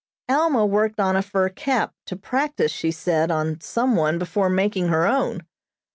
Alma worked on a fur cap, to practise, she said, on some one before making her own.